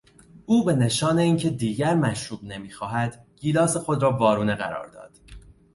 او به نشان اینکه دیگر مشروب نمیخواهد گیلاس خود را وارونه قرار داد.